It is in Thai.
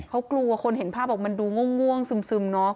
เขากลัวคนเห็นภาพบอกมันดูง่วงซึมเนอะ